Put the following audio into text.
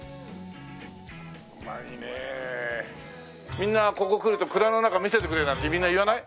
みんなここ来ると蔵の中見せてくれなんてみんな言わない？